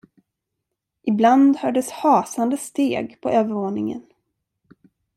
Ibland hördes hasande steg på övervåningen.